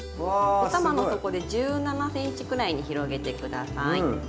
おたまの底で１７ｃｍくらいに広げて下さい。